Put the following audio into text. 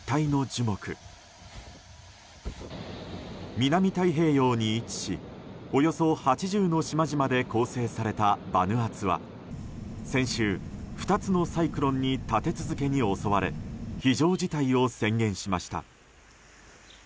南太平洋に位置しおよそ８０の島々で構成されたバヌアツは先週、２つのサイクロンに立て続けに襲われ非常事態を宣言しました。